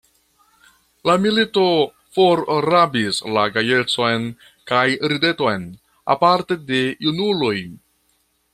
La milito forrabis la gajecon kaj rideton, aparte de junuloj.